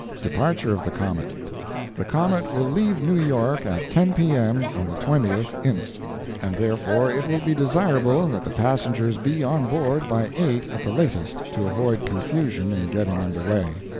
DEPARTURE OF THE COMET The comet will leave New York at 10 P.M. on the 20th inst., and therefore it will be desirable that the passengers be on board by eight at the latest, to avoid confusion in getting under way.